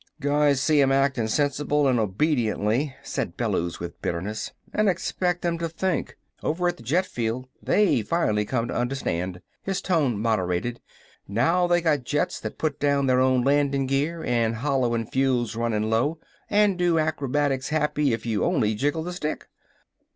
"Guys see 'em acting sensible and obediently," said Bellews with bitterness, "and expect 'em to think. Over at the jet field they finally come to understand." His tone moderated. "Now they got jets that put down their own landing gear, and holler when fuel's running low, and do acrobatics happy if you only jiggle the stick.